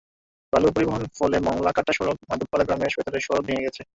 বালু পরিবহনের ফলে মংলা-কাটলা সড়ক, মাধবপাড়া গ্রামের ভেতরের সড়ক ভেঙে গেছে।